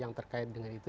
yang terkait dengan itu